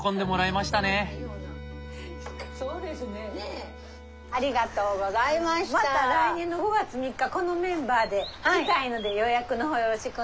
また来年の５月３日このメンバーで来たいので予約の方よろしくお願いします。